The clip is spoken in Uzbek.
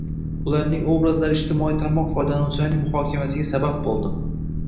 Ularning obrazlari ijtimoiy tarmoq foydalanuvchilarining muhokamasiga sabab bo‘ldi